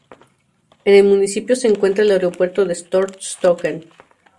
En el municipio se encuentra el aeropuerto de Stord-Sørstokken.